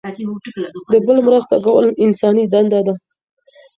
د بل مرسته کول انساني دنده ده.